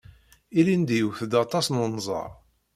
Ilindi, iwet-d aṭas n unẓar.